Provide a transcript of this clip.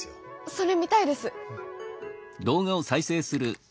それ見たいです！